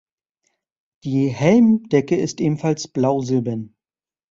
Die Helmdecke ist ebenfalls blau-silbern.